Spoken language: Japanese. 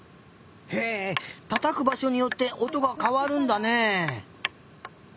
へえたたくばしょによっておとがかわるんだね。